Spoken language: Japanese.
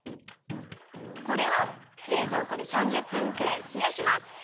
これをれいぞうこで３０分くらいひやします。